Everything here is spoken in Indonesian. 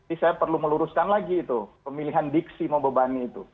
ini saya perlu meluruskan lagi itu pemilihan diksi membebani itu